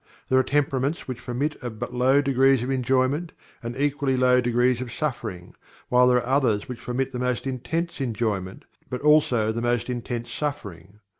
There are temperaments which permit of but low degrees of enjoyment, and equally low degrees of suffering; while there are others which permit the most intense enjoyment, but also the most intense suffering.